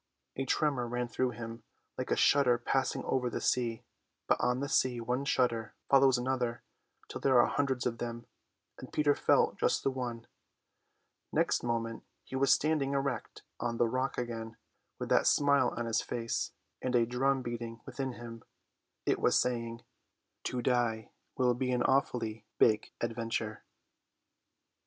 A tremour ran through him, like a shudder passing over the sea; but on the sea one shudder follows another till there are hundreds of them, and Peter felt just the one. Next moment he was standing erect on the rock again, with that smile on his face and a drum beating within him. It was saying, "To die will be an awfully big adventure."